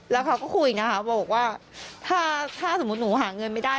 แล้วเขาก็คุยนะคะบอกว่าถ้าสมมุติหนูหาเงินไม่ได้